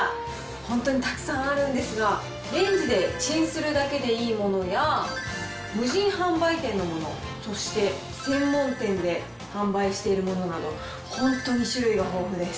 本当にたくさんあるんですが、レンジでチンするだけでいいものや、無人販売店のもの、そして専門店で販売しているものなど、本当に種類が豊富です。